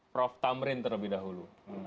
prof tamrin terlebih dahulu